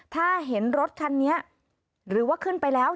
ถ้าเห็นรถคันนี้หรือว่าขึ้นไปแล้ว